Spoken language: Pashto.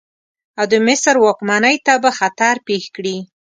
او د مصر واکمنۍ ته به خطر پېښ کړي.